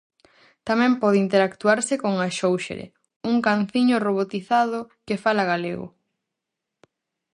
Tamén pode interactuarse con Axóuxere, un canciño robotizado que fala galego.